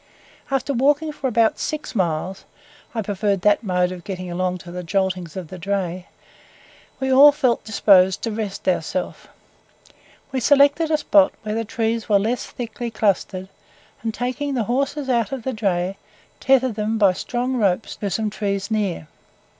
After walking for about six miles I preferred that mode of getting along to the joltings of the dray we all felt disposed to rest ourselves. We selected a spot where the trees were less thickly clustered, and taking the horses out of the dray, tethered them by strong ropes to some trees near.